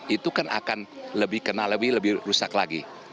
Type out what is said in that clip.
itu kan akan lebih kena lebih rusak lagi